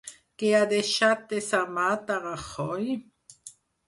Què ha deixat desarmat a Rajoy?